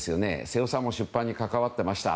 瀬尾さんも出版に関わっていました。